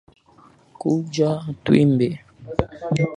Kuja tuimbe